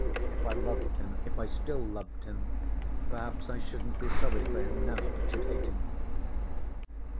If I loved him, if I still loved him, perhaps I shouldn't be sorry for him now, but should hate him."